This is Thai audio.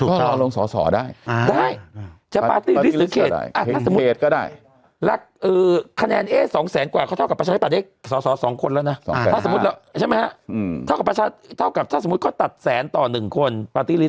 คนชาวบ้านรู้จักเป็นอย่างดี